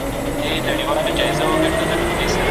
خندا ستونزي کموي.